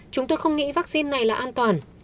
chúng tôi không nghĩ vaccine này là an toàn